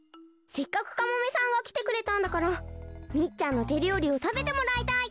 せっかくカモメさんがきてくれたんだからみっちゃんのてりょうりをたべてもらいたい！